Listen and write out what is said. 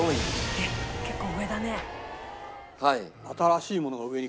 えっ結構上だね。